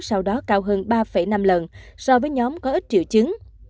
sau đó cao hơn ba năm lần so với nhóm có ít triệu chứng